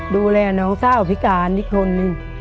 ดูแลน้องสาวพิการอีกคนนึง